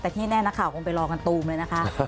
แต่ที่แน่นนะครัวควรไปรอกันตูมด้วยนะคะ